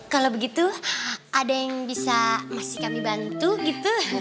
kalau begitu ada yang bisa ngasih kami bantu gitu